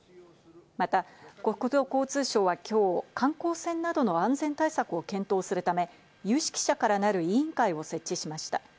また、国土交通省は今日、観光船などの安全対策を検討するため、有識者からなる委員会を設置しました。